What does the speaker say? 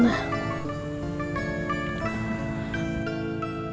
gak ada hubungannya kok sama mama